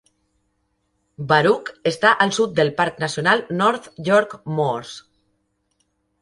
Barugh està al sud del parc nacional North York Moors.